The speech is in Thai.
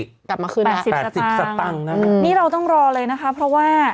กลับมาคืนแปดสิบสตางค์นะนี่เราต้องรอเลยนะคะเพราะว่า